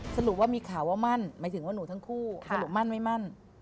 สรุปว่ามีข่าวว่ามั่นหมายถึงว่าหนูทั้งคู่สรุปมั่นไม่มั่น